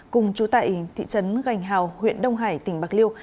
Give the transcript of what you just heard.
cùng chú tại thị trấn gành hào huyện đông hải tỉnh bạc liêu